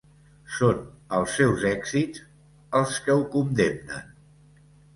Són els seus èxits els que ho condemnen.